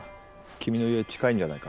君の家近いんじゃないか？